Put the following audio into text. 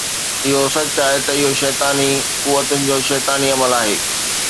اهو سچ آهي ته اهو شيطاني قوتن جو شيطاني عمل آهي